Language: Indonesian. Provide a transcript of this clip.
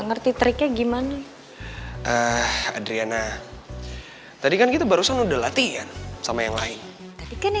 ngerti triknya gimana eh adriana tadi kan kita barusan udah latihan sama yang lain tadi kan